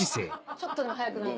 ちょっとでも早く。